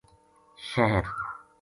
شہر